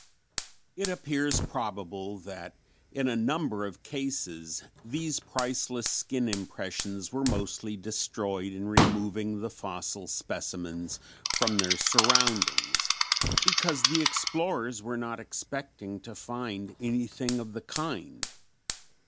It appears probable that in a number of cases these priceless skin impressions were mostly destroyed in removing the fossil specimens from their surroundings because the explorers were not expecting to find anything of the kind.